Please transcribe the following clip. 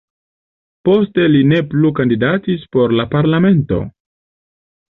Poste li ne plu kandidatis por la parlamento.